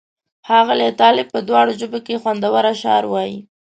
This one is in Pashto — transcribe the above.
ښاغلی طالب په دواړو ژبو کې خوندور اشعار وایي.